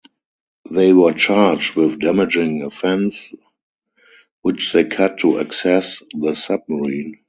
They were charged with damaging a fence which they cut to access the submarine.